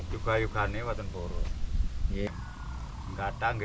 juga yukannya buatan purun